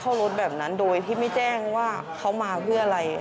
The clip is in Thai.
รถแบบนั้นโดยที่ไม่แจ้งว่าเขามาเพื่ออะไร